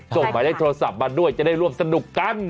หมายเลขโทรศัพท์มาด้วยจะได้ร่วมสนุกกัน